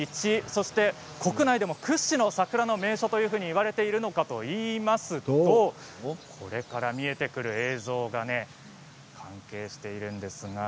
そして国内でも屈指の桜の名所といわれているのかといいますとこれから見えてくる映像が関係しているんですが。